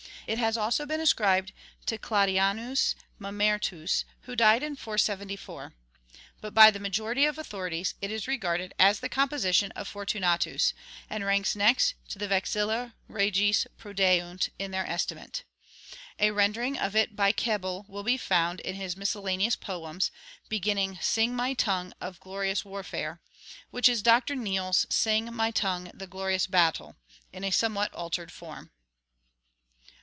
It has also been ascribed to Claudianus Mamertus, who died in 474. But by the majority of authorities it is regarded as the composition of Fortunatus, and ranks next to the Vexilla Regis prodeunt in their estimate. A rendering of it by Keble will be found in his "Miscellaneous Poems," beginning, "Sing, my tongue, of glorious warfare," which is Dr. Neale's "Sing, my tongue, the glorious battle," in a somewhat altered form.